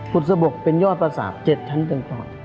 บุตรสะบกเป็นยอดประสาป๗ชั้นเตือนก่อน